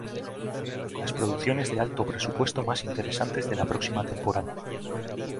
Las producciones de alto presupuesto más interesantes de la próxima temporada.